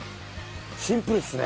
シンプルっすね。